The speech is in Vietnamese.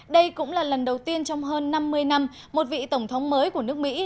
đây cũng là lần đầu tiên trong hơn năm mươi năm một vị tổng thống mới của nước mỹ